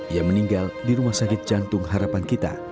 ia meninggal di rumah sakit jantung harapan kita